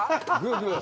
グー！